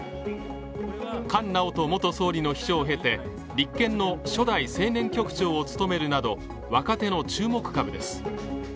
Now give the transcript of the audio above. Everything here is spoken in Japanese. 菅直人元総理の秘書を経て、立憲の初代青年局長を務めるなど若手の注目株です。